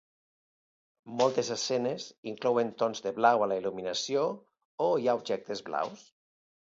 Moltes escenes inclouen tons de blau a la il·luminació o hi ha objectes blaus.